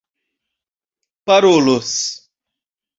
parolos